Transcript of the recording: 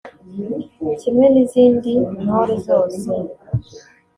Kimwe n’izindi ntore zose